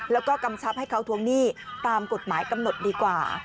แล้วก็กำชับให้เขาทวงหนี้ตามกฎหมายกำหนดดีกว่า